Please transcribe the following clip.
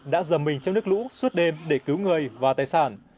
đã dầm mình trong nước lũ suốt đêm để cứu người và tài sản